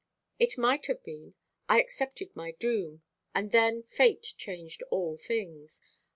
"It might have been. I accepted my doom. And then Fate changed all things.